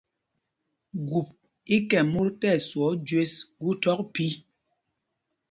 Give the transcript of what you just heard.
Gup í kɛm mot tí ɛswɔɔ jü gu thɔk phī.